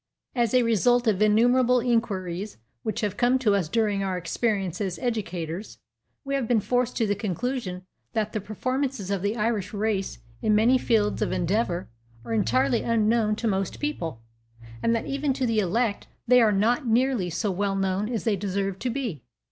As a result of innumerable inquiries which have come to us during our experience as educators, we have been forced to the conclusion that the performances of the Irish race in many fields of endeavor are entirely unknown to most people, and that even to the elect they are not nearly so well known as they deserve to be.